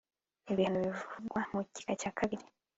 ibihano bivugwa mu gika cya kabiri